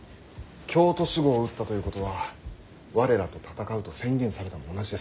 京都守護を討ったということは我らと戦うと宣言されたも同じです。